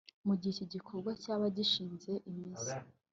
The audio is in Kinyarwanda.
Mu gihe iki gikorwa cyaba gishinze imizi